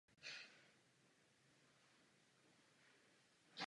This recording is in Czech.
zámečník Antonín Lorenc z Bílovce